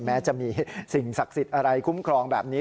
แม้จะมีสิ่งศักดิ์สิทธิ์อะไรคุ้มครองแบบนี้